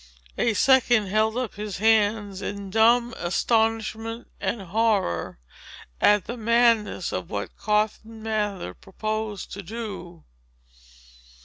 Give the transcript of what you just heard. A second held up his hands in dumb astonishment and horror, at the madness of what Cotton Mather proposed to do.